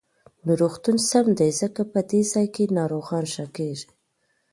نو روغتون سم دی، ځکه په دې ځاى کې ناروغان ښه کېږي.